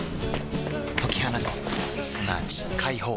解き放つすなわち解放